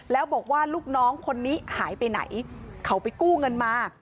แล้วบอกว่าลูกน้องคนนี้หายไปไหนเขาไปกู้เงินมา